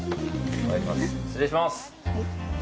失礼します。